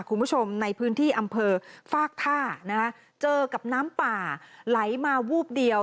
คุณผู้ชมในพื้นที่อำเภอฟากท่านะคะเจอกับน้ำป่าไหลมาวูบเดียว